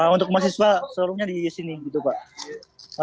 untuk mahasiswa seluruhnya di sini gitu pak